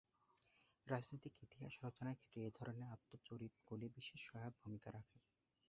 রাজনৈতিক ইতিহাস রচনার ক্ষেত্রে এ ধরনের আত্মচরিতগুলি বিশেষ সহায়ক ভূমিকা রাখে।